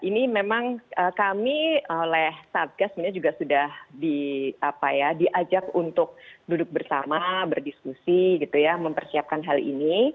ini memang kami oleh satgas sebenarnya juga sudah diajak untuk duduk bersama berdiskusi gitu ya mempersiapkan hal ini